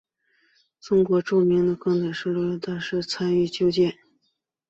中国著名铁路工程师詹天佑曾参与修建。